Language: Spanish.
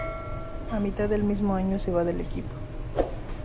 A mitad del mismo año se va del equipo.